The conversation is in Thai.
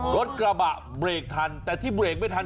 รถกระบะเบรกทันแต่ที่เบรกไม่ทัน